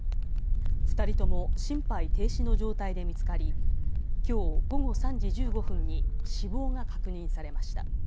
２人とも心肺停止の状態で見つかり、きょう午後３時１５分に死亡が確認されました。